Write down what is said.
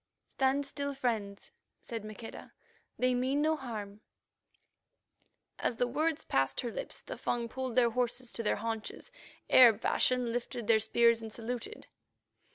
"Stand still, friends," said Maqueda; "they mean no harm." As the words passed her lips, the Fung pulled the horses to their haunches, Arab fashion, lifted spears and saluted.